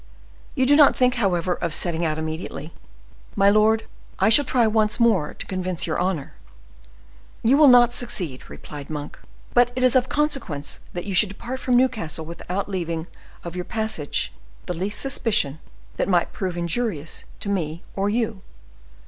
"You do not think, however, of setting out immediately?" "My lord, I shall try once more to convince your honor." "You will not succeed," replied Monk; "but it is of consequence that you should depart from Newcastle without leaving of your passage the least suspicion that might prove injurious to me or you.